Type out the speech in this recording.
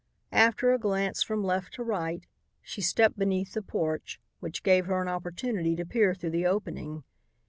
After a glance from left to right, she stepped beneath the porch, which gave her an opportunity to peer through the opening.